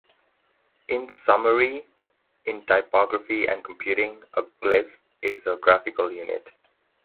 In summary, in typography and computing, a glyph is a graphical unit.